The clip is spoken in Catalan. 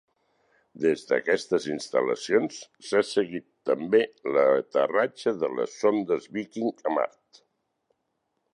Des d'aquestes instal·lacions s'ha seguit també l'aterratge de les sondes Viking a Mart.